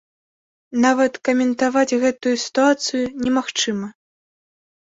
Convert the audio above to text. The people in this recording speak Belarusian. Нават каментаваць гэтую сітуацыю немагчыма.